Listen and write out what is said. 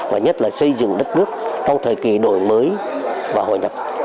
và nhất là xây dựng đất nước trong thời kỳ đổi mới và hội nhập